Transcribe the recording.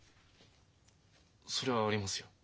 そりゃありますよ。